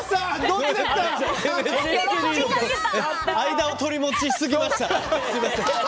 間を取り持ちすぎました。